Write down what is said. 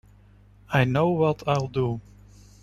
I know what I'll do.